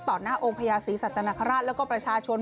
ต่อหน้าองค์พญาสีสัตนคราชและประชาชน